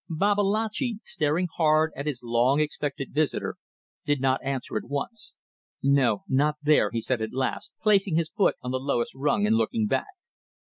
Babalatchi, staring hard at his long expected visitor, did not answer at once. "No, not there," he said at last, placing his foot on the lowest rung and looking back.